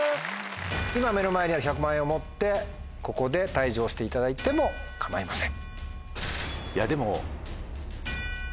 今目の前にある１００万円を持ってここで退場していただいても構いません。